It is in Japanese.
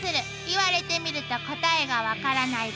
「言われてみると答えが分からない」